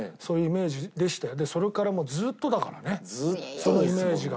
それからもうずーっとだからねそのイメージが。